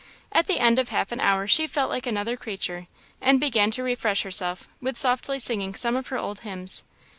At the end of half an hour she felt like another creature, and began to refresh herself with softly singing some of her old hymns.